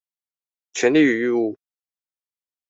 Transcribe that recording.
權利與義務